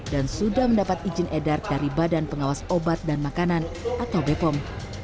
dan sudah mendapat izin edar dari badan pengawas obat dan makanan atau bepom